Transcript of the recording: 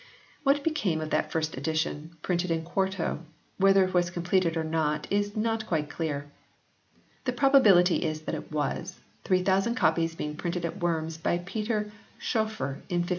What became of that first edition, printed in quarto, whether it was completed or not, is not quite clear. The probability is that it was, 3000 copies being printed at Worms by Peter Schoeffer in 1525.